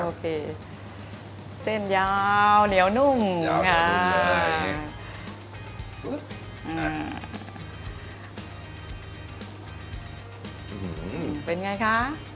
โอเคเส้นยาวเหนียวนุ่มอืมเป็นไงคะ